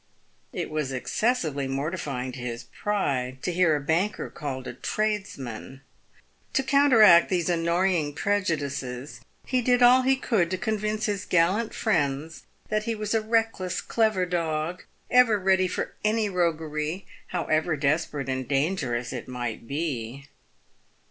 It was excessively morti fying to his pride to hear a banker called a tradesman. To coun teract these annoying prejudices, he did all he could to convince his gallant friends that he was a reckless, clever dog, ever ready for any roguery, however desperate and dangerous it might be.